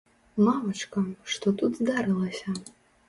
Мамачка, што тут здарылася?